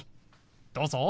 どうぞ。